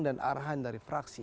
dan arahan dari fraksi